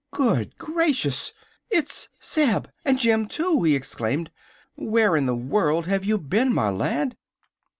"Goodness gracious! It's Zeb and Jim, too!" he exclaimed. "Where in the world have you been, my lad?"